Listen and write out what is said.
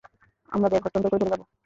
আমরা ব্যাগ হস্তান্তর করে চলে যাব।